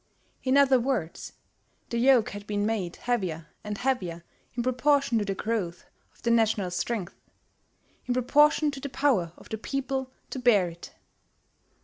In other words, the yoke had been made heavier and heavier in proportion to the growth of the national strength, in proportion to the power of the people to bear it....